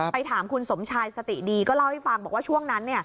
ถามคุณสมชายสติดีก็เล่าให้ฟังบอกว่าช่วงนั้น